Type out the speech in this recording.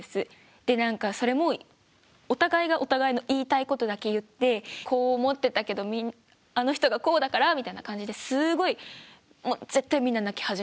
で何かそれもお互いがお互いの言いたいことだけ言ってこう思ってたけどあの人がこうだからみたいな感じですごいもう絶対みんな泣き始める。